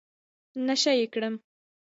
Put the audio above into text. نشه يي کړم.